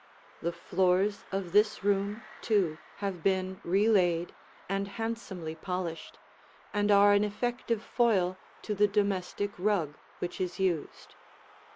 The floors of this room, too, have been re laid and handsomely polished, and are an effective foil to the domestic rug which is used.